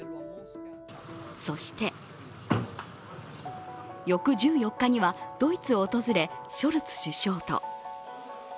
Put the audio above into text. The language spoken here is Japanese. そして翌１４日にはドイツを訪れショルツ首相と。